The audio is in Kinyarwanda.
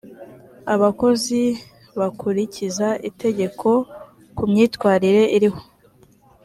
abakozi bakurikiza itegeko ku myitwarire ririho